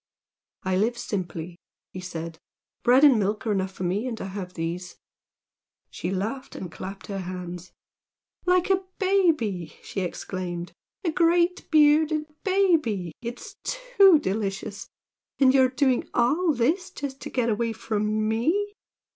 "I live simply," he said "Bread and milk are enough for me, and I have these." She laughed and clapped her hands. "Like a baby!" she exclaimed "A big bearded baby! It's too delicious! And you're doing all this just to get away from ME!